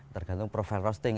tergantung profil roasting